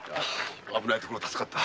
危ないところを助かった。